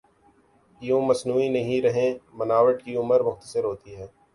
یوں مصنوعی نہیں رہیں بناوٹ کی عمر مختصر ہوتی ہے۔